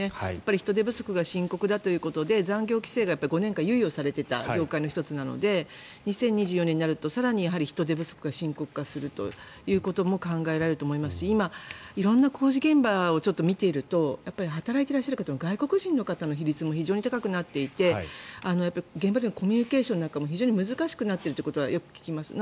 人手不足が深刻だということで残業規制が５年間猶予されていた業界の１つなので２０２４年になると更に人手不足が深刻化するということも考えられると思いますし今、色んな工事現場を見ていると働いていらっしゃる方も外国人の方の比率も非常に高くなっていて現場でのコミュニケーションなんかも非常に難しくなってるということはよく聞きます。